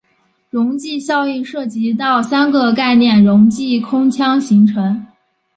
溶剂效应涉及到三个概念溶剂空腔形成。